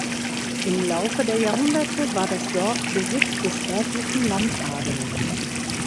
Im Laufe der Jahrhunderte war das Dorf Besitz des örtlichen Landadels.